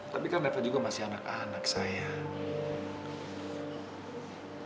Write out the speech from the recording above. tapi kan refah juga masih anak anak sayang